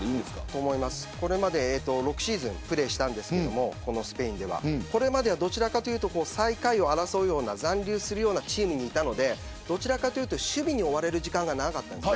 そうです、これまで６シーズンプレーしたんですけどどちらかというと最下位を争うような残留するようなチームにいたので守備に追われる時間が長かったんです。